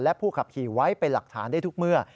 และผู้ขับขี่ไว้เป็นหลักฐานได้ทุกเมื่อ